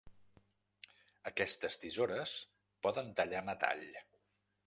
Aquestes tisores poden tallar metall.